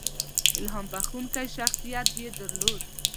• الهام بښونکی شخصیت یې درلود.